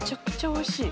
おいしい！